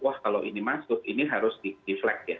wah kalau ini masuk ini harus di flag ya